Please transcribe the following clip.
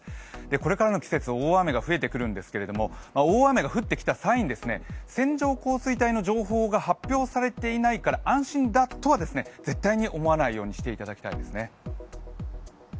これからの季節、大雨が増えてくるんですけれども大雨が降ってきた際に線状降水帯の情報が発表されていないから安心だとは絶対に思わないようにしていただきたいんですね。